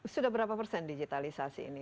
sudah berapa persen digitalisasi ini